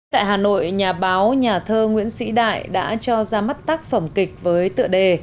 tại hà nội nhà báo nhà thơ nguyễn sĩ đại đã cho ra mắt tác phẩm kịch với tựa đề